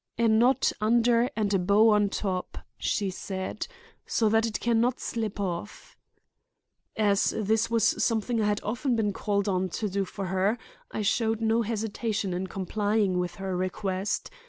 'A knot under and a bow on top,' she said, 'so that it can not slip off.' As this was something I had often been called on to do for her, I showed no hesitation in complying with her request.